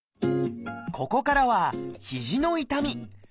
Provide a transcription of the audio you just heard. ここからは「肘の痛み」。